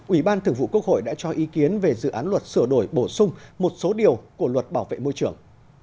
ủy ban thường vụ quốc hội đã cho ý kiến về dự án luật sửa đổi bổ sung một số điều của luật bảo vệ môi trường